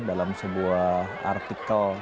dalam sebuah artikel